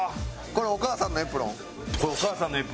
これお母さんのエプロンです。